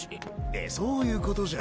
いやそういうことじゃ。